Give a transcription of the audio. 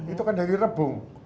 itu kan dari rebung